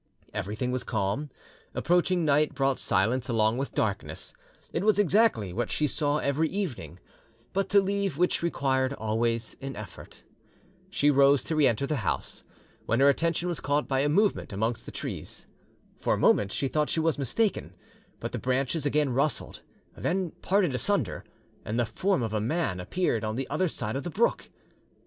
Everything was calm; approaching night brought silence along with darkness: it was exactly what she saw every evening, but to leave which required always an effort. She rose to re enter the house, when her attention was caught by a movement amongst the trees. For a moment she thought she was mistaken, but the branches again rustled, then parted asunder, and the form of a man appeared on the other side of the brook.